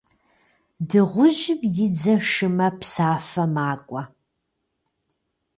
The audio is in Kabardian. Дыгъужьым и дзэ шымэ псафэ макӏуэ.